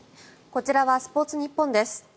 こちらはスポーツニッポンです。